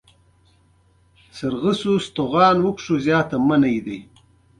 شانه د سرک د ساتنې او پیاده رو لپاره کارول کیږي